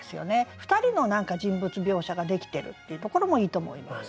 ２人の人物描写ができてるっていうところもいいと思います。